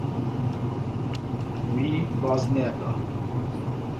Wî baz neda.